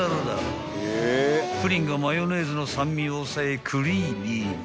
［プリンがマヨネーズの酸味を抑えクリーミーに］